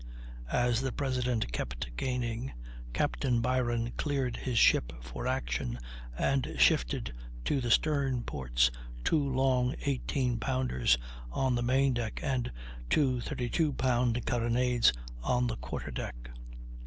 As the President kept gaining, Captain Byron cleared his ship for action, and shifted to the stern ports two long eighteen pounders on the main deck and two thirty two pound carronades on the quarter deck.